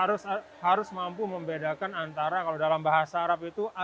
jadi kita harus mampu membedakan antara kalau dalam bahasa arab itu